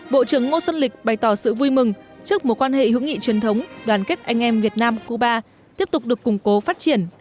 bộ trưởng ngô xuân lịch bày tỏ sự vui mừng trước một quan hệ hữu nghị truyền thống đoàn kết anh em việt nam cuba tiếp tục được củng cố phát triển